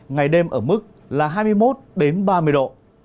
ngày đêm ở mức là hai mươi một đến ba mươi độ